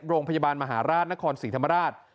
โรงพยาบาลมหาราชนครศรีธรรมราช